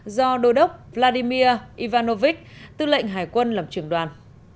do đô đốc vladimir ivanovich tư lệnh hải quân làm trưởng đoàn